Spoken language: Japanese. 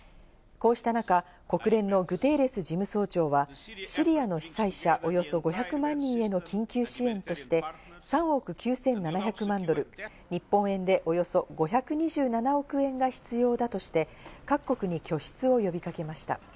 こうした中、国連のグテーレス事務総長はシリアの被災者およそ５００万人への緊急支援として、３億９７００万ドル、日本円でおよそ５２７億円が必要だとして、各国に拠出を呼びかけました。